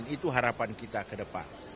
itu harapan kita ke depan